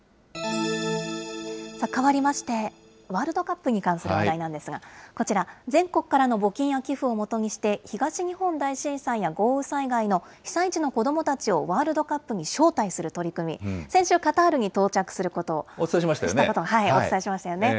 かわりまして、ワールドカップに関する話題なんですが、こちら、全国からの募金や寄付をもとにして東日本大震災や豪雨災害の被災地の子どもたちをワールドカップに招待する取り組み、先週、カタールに到着すること、お伝えしましたよね。